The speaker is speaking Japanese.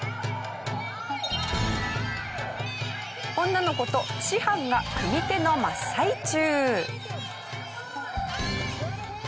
女の子と師範が組手の真っ最中。